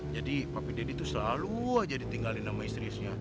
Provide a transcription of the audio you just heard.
jadi papi deddy tuh selalu aja ditinggalin sama istri istrinya